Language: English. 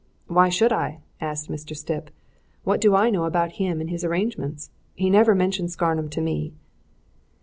"Why should I?" asked Mr. Stipp. "What do I know about him and his arrangements? He never mentioned Scarnham to me."